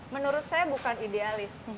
menurut saya bukan idealis